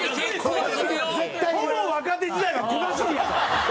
ほぼ若手時代は小走りやぞ。